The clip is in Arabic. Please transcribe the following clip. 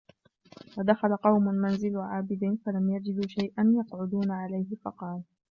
وَدَخَلَ قَوْمٌ مَنْزِلَ عَابِدٍ فَلَمْ يَجِدُوا شَيْئًا يَقْعُدُونَ عَلَيْهِ فَقَالَ